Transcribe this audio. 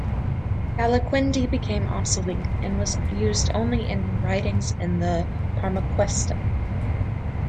"Calaquendi" became obsolete, and was used only in writings in the Parmaquesta.